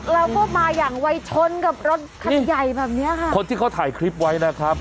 แล้วก็มาอย่างวัยชนกับรถคันใหญ่แบบเนี้ยค่ะคนที่เขาถ่ายคลิปไว้นะครับ